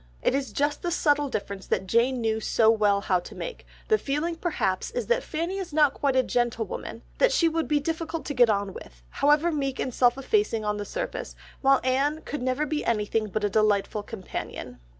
It is just the subtle difference that Jane knew so well how to make, the feeling perhaps is that Fanny is not quite a gentlewoman, that she would be difficult to get on with, however meek and self effacing on the surface, while Anne could never be anything but a delightful companion.